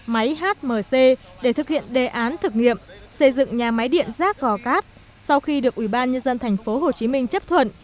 máy hmc để thực hiện đề án thực nghiệm xây dựng nhà máy điện rác gò cát sau khi được ubnd tp hcm chấp thuận